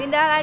ini tapi satu